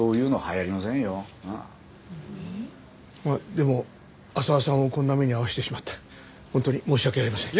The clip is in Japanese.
でも浅輪さんをこんな目に遭わせてしまって本当に申し訳ありません。